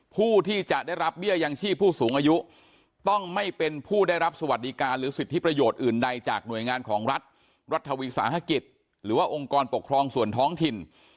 ผู้ที่จะได้รับเบี้ยยังชีพผู้สูงอายุต้องไม่เป็นผู้ได้รับสวัสดิการหรือสิทธิประโยชน์อื่นใดจากหน่วยงานของรัฐรัฐวิสาหกิจหรือว่าองค์กรปกครองส่วนท้องถิ่น